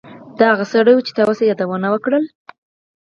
دا هماغه سړی و چې تا یې اوس یادونه وکړه